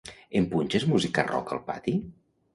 Em punxes música rock al pati?